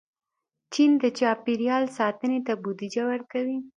چین د چاپېریال ساتنې ته بودیجه ورکوي.